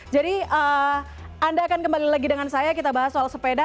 jadi anda akan kembali lagi dengan saya kita bahas soal sepeda